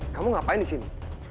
kamu ngapain disini